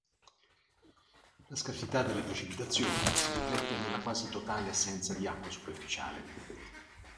La scarsità delle precipitazioni si riflette nella quasi totale assenza di acqua superficiale.